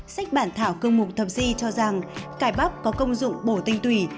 sách bản thảo cương mục thập di cho rằng cải bắp có công dụng bổ tinh tùy